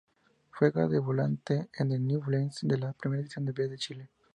Juega de volante en el Ñublense de la Primera División B de Chile.